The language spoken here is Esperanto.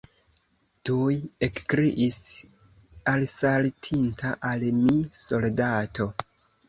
Tuj ekkriis alsaltinta al mi soldato.